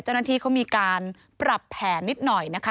เจ้าหน้าที่เขามีการปรับแผนนิดหน่อยนะคะ